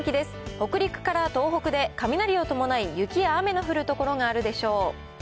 北陸から東北で雷を伴い、雪や雨の降る所があるでしょう。